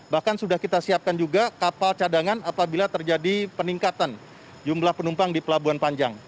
bahkan sudah kita siapkan juga kapal cadangan apabila terjadi peningkatan jumlah penumpang di pelabuhan panjang